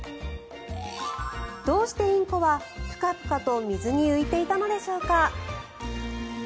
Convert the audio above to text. どうしてインコは、プカプカと水に浮いていたのでしょうか。